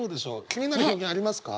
気になる表現ありますか？